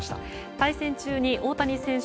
対戦中に大谷選手